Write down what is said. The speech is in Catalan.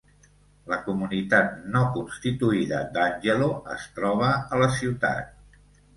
La comunitat no constituïda d'Angelo es troba a la ciutat.